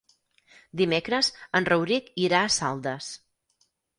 Dimecres en Rauric irà a Saldes.